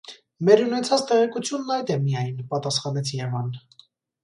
- Մեր ունեցած տեղեկությունն այդ է միայն,- պատասխանեց Եվան: